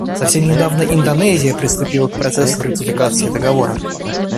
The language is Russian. Совсем недавно Индонезия приступила к процессу ратификации Договора.